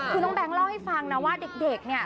คือน้องแบงค์เล่าให้ฟังนะว่าเด็กเนี่ย